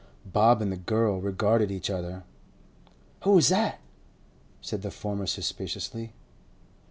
Bob and the girl regarded each other. 'Who was that?' said the former suspiciously.